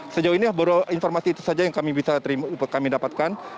sejauh ini baru informasi itu saja yang kami dapatkan